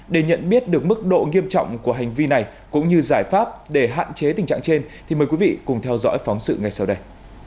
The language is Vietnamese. để nhận biết được mức độ nghiêm trọng của hành vi này cũng như giải pháp để hạn chế tình trạng trên thì mời quý vị cùng theo dõi phóng sự ngay sau đây